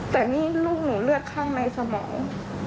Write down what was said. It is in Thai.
แต่นี่ลูกหนูเลือดข้างในสมอง